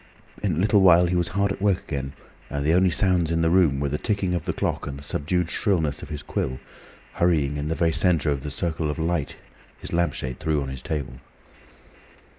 In a little while he was hard at work again, and the only sounds in the room were the ticking of the clock and the subdued shrillness of his quill, hurrying in the very centre of the circle of light his lampshade threw on his table.